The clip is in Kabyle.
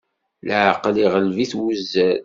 Leɛqel iɣleb-it wuzzal.